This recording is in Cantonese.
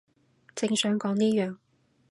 正想講呢樣